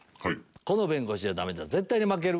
「この弁護士じゃダメだ絶対に負ける」